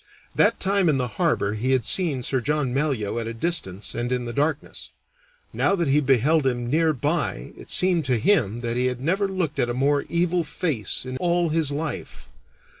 That time in the harbor he had seen Sir John Malyoe at a distance and in the darkness; now that he beheld him near by it seemed to him that he had never looked at a more evil face in all his life.